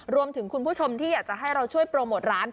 คุณผู้ชมที่อยากจะให้เราช่วยโปรโมทร้าน